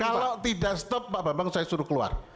kalau tidak stop pak bambang saya suruh keluar